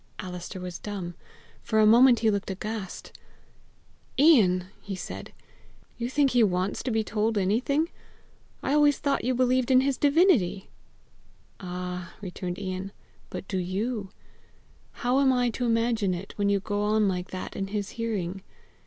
Alister was dumb. For a moment he looked aghast. "Ian!" he said: "You think he wants to be told anything? I always thought you believed in his divinity!" "Ah!" returned Ian, "but do you? How am I to imagine it, when you go on like that in his hearing?